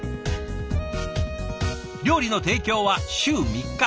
料理の提供は週３日。